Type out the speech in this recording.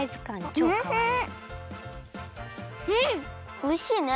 おいしいね。